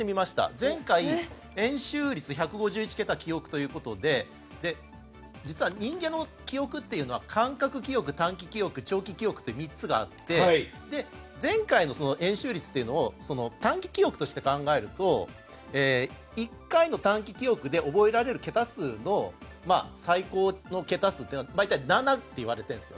前回、円周率１５１桁記憶ということで実は人間の記憶というのは感覚記憶、短期記憶長期記憶の３つがあって前回の円周率を短期記憶として考えると１回の短期記憶で覚えられる桁数の最高の桁数というのは大体７といわれているんです。